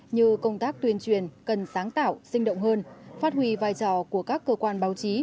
như công tác tuyên truyền cần sáng tạo sinh động hơn phát huy vai trò của các cơ quan báo chí